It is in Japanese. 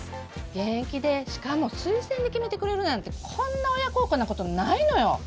現役でしかも推薦で決めてくれるなんてこんな親孝行なことないのよ。